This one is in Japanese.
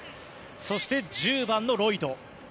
そして１０番のロイド。